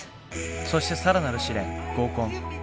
そして更なる試練合コン。